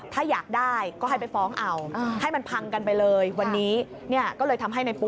ถ้าอยากได้ก็ให้ไปฟ้องเอาให้มันพังกันไปเลย